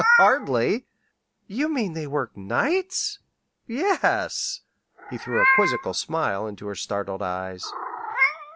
"Hardly!" "You mean, they work nights?" "Yes." He threw a quizzical smile into her startled eyes.